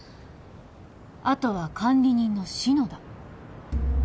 あとは管理人の篠田。